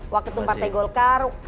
wak ketum partai golkar